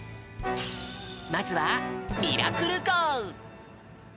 まずはミラクル号！